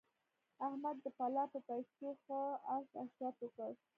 احمد د پلا په پیسو ښه عش عشرت وکړ.